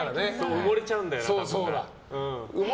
埋もれちゃうんだよな。